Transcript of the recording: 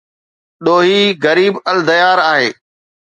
ڏوهي غريب الديار آهي